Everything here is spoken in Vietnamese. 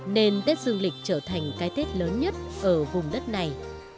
nên tết dương lịch trở thành cái tết lớn nhất ở vùng đất này